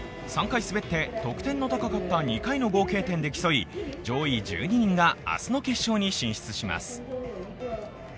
３回滑って、得点の高かった２回の合計点で競い、上位１２人が明日の決勝に進出します。